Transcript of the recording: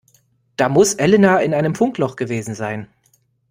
Da muss Elena in einem Funkloch gewesen sein.